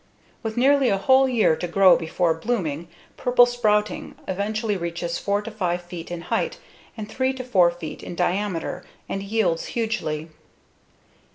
With nearly a whole year to grow before blooming, Purple Sprouting eventually reaches 4 to 5 feet in height and 3 to 4 feet in diameter, and yields hugely.